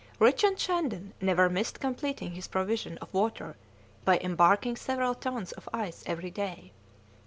Richard Shandon never missed completing his provision of water by embarking several tons of ice every day.